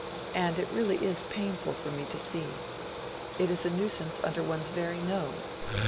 And it really is painful for me to see. It is a nuisance under one's very nose.